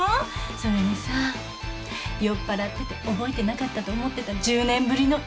それにさ酔っぱらってて覚えてなかったと思ってた１０年ぶりのエッチ。